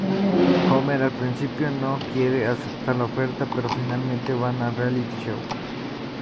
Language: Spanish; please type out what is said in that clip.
Homer, al principio, no quiere aceptar la oferta, pero finalmente van al reality show.